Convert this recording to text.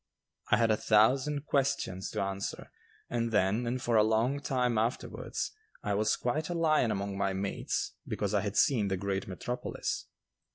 I had a thousand questions to answer, and then and for a long time afterwards I was quite a lion among my mates because I had seen the great metropolis.